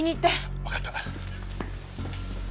わかった。